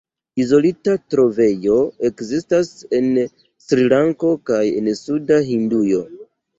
Izolita trovejo ekzistas en Srilanko kaj en suda Hindujo.